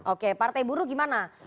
oke partai buruh gimana